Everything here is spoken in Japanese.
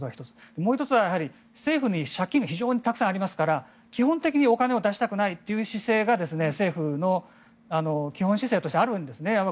もう１つは政府に借金が非常にたくさんありますから基本的にお金を出したくないという姿勢が政府の基本姿勢としてあるんですね。